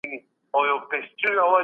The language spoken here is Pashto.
پانګونه چي زياته سي بازار پراخېږي.